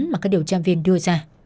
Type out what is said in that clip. mà các điều tra viên đưa ra